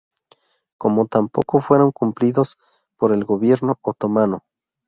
Como tampoco fueron cumplidos por el gobierno otomano.